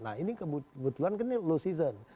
nah ini kebetulan kan ini low season